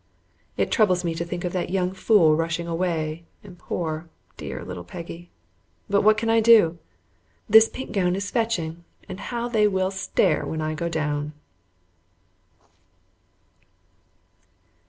It troubles me to think of that young fool rushing away and poor, dear little Peggy; but what can I do? This pink gown is fetching, and how they will stare when I go down!